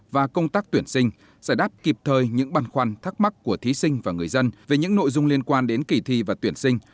và công tác tuyển sinh giải đáp kịp thời những băn khoăn thắc mắc của thí sinh và người dân về những nội dung liên quan đến kỳ thi và tuyển sinh